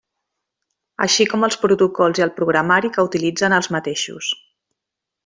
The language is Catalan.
Així com els protocols i el programari que utilitzen els mateixos.